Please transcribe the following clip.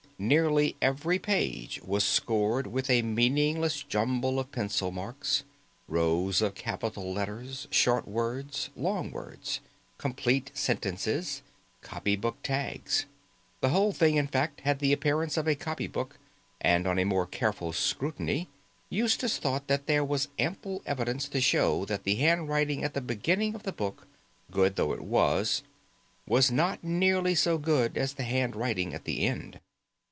Nearly every page was scored with a meaningless jungle of pencil marks: rows of capital letters, short words, long words, complete sentences, copy book tags. The whole thing, in fact, had the appearance of a copy book, and on a more careful scrutiny Eustace thought that there was ample evidence to show that the handwriting at the beginning of the book, good though it was was not nearly so good as the handwriting at the end.